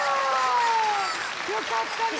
よかったね。